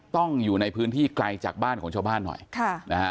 ต้องอยู่ในพื้นที่ไกลจากบ้านของชาวบ้านหน่อยค่ะนะฮะ